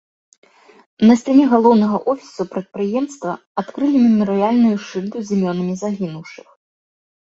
На сцяне галоўнага офісу прадпрыемства адкрылі мемарыяльную шыльду з імёнамі загінуўшых.